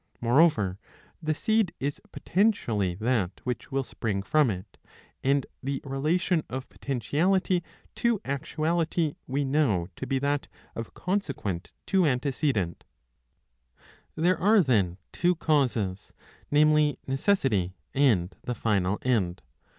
Moreover, the seed is potentially that which will spring from it, and the relation of potentiality to actuality we know [to be that of consequent to antecedent].^^ There are then two causes, namely, necessity and the final end.